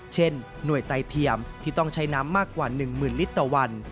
หน่วยไตเทียมที่ต้องใช้น้ำมากกว่า๑๐๐๐ลิตรต่อวัน